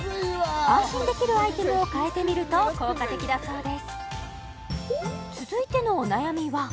安心できるアイテムをかえてみると効果的だそうです